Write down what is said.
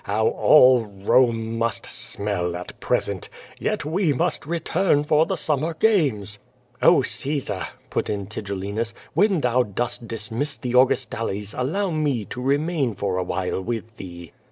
How all Home must smell at present! Yet we must return for the summer ganies." "O, (*aesar," put in Tigellinus, "when thou d<»st dismiss the Augustales albnv nie to remain for a while with thee."